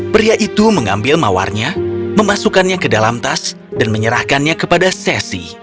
pria itu mengambil mawarnya memasukkannya ke dalam tas dan menyerahkannya kepada sesi